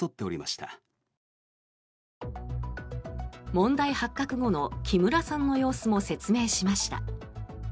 問題発覚後の木村さんの様子も説明しました。